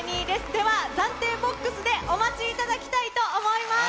では暫定ボックスでお待ちいただきたいと思います。